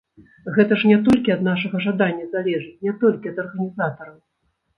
Гэта ж не толькі ад нашага жадання залежыць, не толькі ад арганізатараў.